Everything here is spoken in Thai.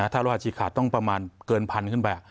ถ้ารอดฉีกขาดต้องประมาณเกินพันขึ้นไป